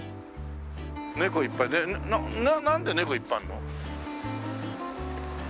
猫いっぱいなんで猫いっぱいあんの？